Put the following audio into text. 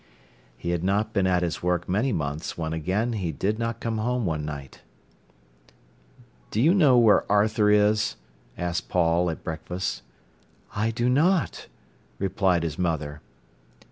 He had not been at his work many months when again he did not come home one night. "Do you know where Arthur is?" asked Paul at breakfast. "I do not," replied his mother.